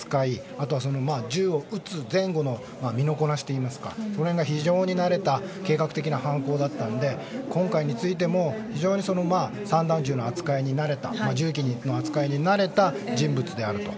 あとは銃を撃つ前後の身のこなしと言いますかその辺りが非常に慣れた犯行だったので今回についても非常に散弾銃の扱いに慣れた銃器の扱いに慣れた人物であると。